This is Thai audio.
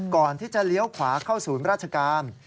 ก่อนที่จะเลี้ยวขวาเข้าศูนย์ราชการ